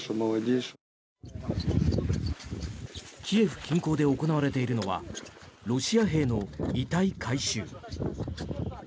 キエフ近郊で行われているのはロシア兵の遺体回収。